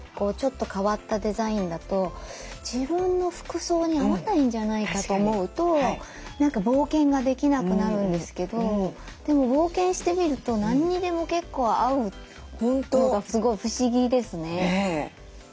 ちょっと変わったデザインだと自分の服装に合わないんじゃないかと思うと冒険ができなくなるんですけどでも冒険してみると何にでも結構合うのがすごい不思議ですね。